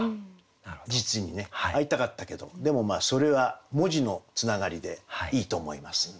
実にね会いたかったけどでもそれは文字のつながりでいいと思いますんで。